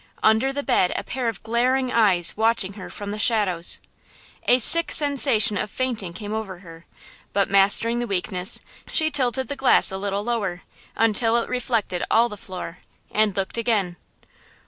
Under the bed a pair of glaring eyes watching her from the shadows! A sick sensation of fainting came over her; but, mastering the weakness, she tilted the glass a little lower, until it reflected all the floor, and looked again.